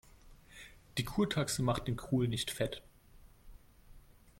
Die Kurtaxe macht den Kohl nicht fett.